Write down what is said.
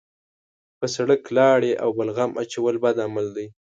په سړک لاړې او بلغم اچول بد عمل دی.